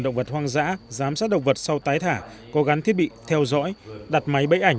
động vật hoang dã giám sát động vật sau tái thả có gắn thiết bị theo dõi đặt máy bẫy ảnh